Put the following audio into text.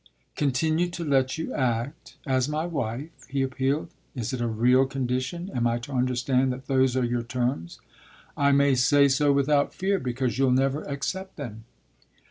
"Continue to let you act as my wife?" he appealed. "Is it a real condition? Am I to understand that those are your terms?" "I may say so without fear, because you'll never accept them."